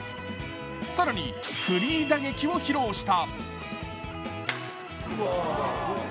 更に、フリー打撃を披露した。